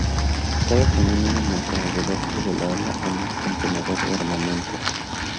Cada cañón iba montado debajo del ala en un contenedor de armamento.